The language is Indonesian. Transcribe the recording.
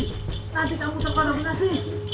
nanti kamu terparodasi